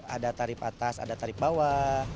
ada tarif atas ada tarif bawah